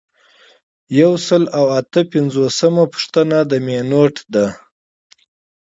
یو سل او اته پنځوسمه پوښتنه د مینوټ ده.